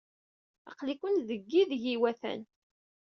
Aql-ikent deg yideg ay iwatan.